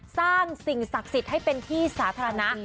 สร้างสิ่งศักดิ์สิทธิ์ให้เป็นที่สาธารณะ